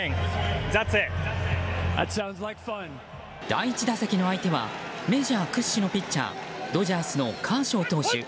第１打席の相手はメジャー屈指のピッチャードジャースのカーショー投手。